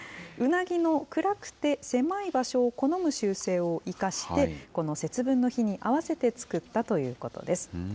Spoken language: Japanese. ウナギの暗くて、狭い場所を好む習性を生かして、この節分の日に合わせて作ったということです。